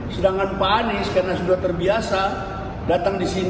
sedangkan pak anies karena sudah terbiasa datang di sini